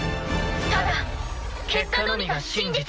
ただ結果のみが真実。